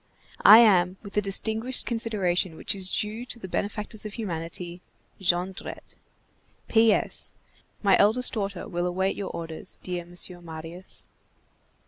I am with the distinguished consideration which is due to the benefactors of humanity,— JONDRETTE. P.S. My eldest daughter will await your orders, dear Monsieur Marius.